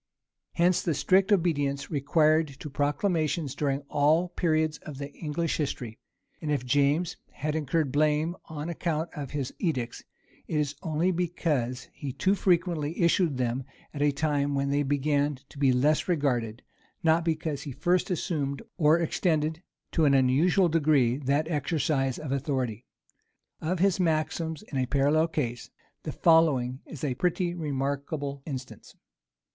Hence the strict obedience required to proclamations during all periods of the English history; and if James has incurred blame on account of his edicts, it is only because he too frequently issued them at a time when they began to be less regarded, not because he first assumed or extended to an unusual degree that exercise of authority. Of his maxims in a parallel case, the following is a pretty remark able instance.